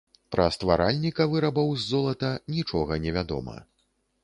Пра стваральніка вырабаў з золата нічога невядома.